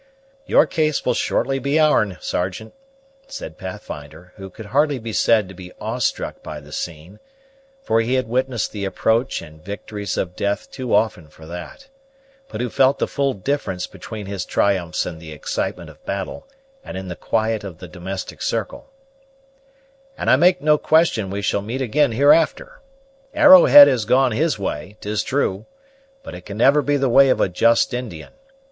"Your case will shortly be ourn, Sergeant," said Pathfinder, who could hardly be said to be awestruck by the scene, for he had witnessed the approach and victories of death too often for that; but who felt the full difference between his triumphs in the excitement of battle and in the quiet of the domestic circle; "and I make no question we shall meet ag'in hereafter. Arrowhead has gone his way, 'tis true; but it can never be the way of a just Indian.